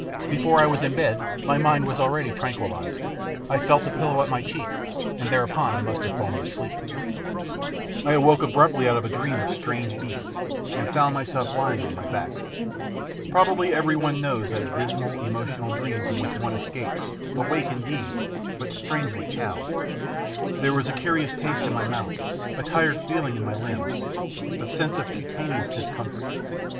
Before I was in bed my mind was already tran quillised. I felt the pillow at my cheek, and there upon I must have fallen asleep. I awoke abruptly out of a dream of strange beasts, and found myself lying on my back. Probably everyone knows that dismal, emotional dream from which one escapes, awake indeed, but strangely cowed. There was a curious taste in my mouth, a tired feel ing in my limbs, a sense of cutaneous discomfort.